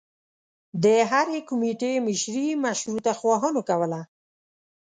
د هرې کومیټي مشري مشروطه خواهانو کوله.